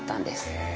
へえ。